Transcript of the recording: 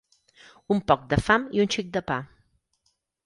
Un poc de fam i un xic de pa.